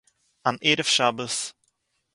אַן ערב שבת